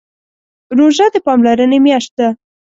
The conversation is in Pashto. روژه د پاملرنې میاشت ده.